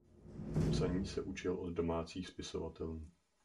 Psaní se učil od domácích spisovatelů.